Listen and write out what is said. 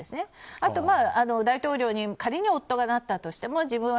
あとは、大統領に仮に夫がなったとしても自分は